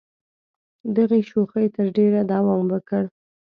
دغې شوخۍ تر ډېره دوام وکړ.